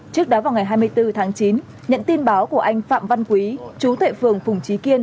trước đó vào ngày hai mươi bốn tháng chín nhận tin báo của anh phạm văn quý chú tệ phường phùng trí kiên